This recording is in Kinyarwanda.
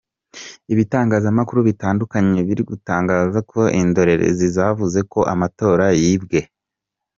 Ibitangazamakuru bitandukanye biri gutangaza ko indorerezi zavuze ko amatora yibwe.